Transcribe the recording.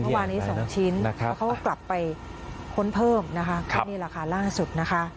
เมื่อวานนี้๒ชิ้นเขาก็กลับไปพ้นเพิ่มนะคะนี่แหละค่ะล่าสุดนะคะ